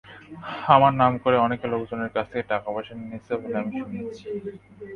আমার নাম করে অনেকে লোকজনের কাছ থেকে টাকাপয়সা নেছে বলে আমি শুনিছি।